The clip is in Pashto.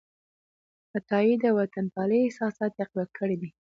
عطايي د وطنپالنې احساسات تقویه کړي دي.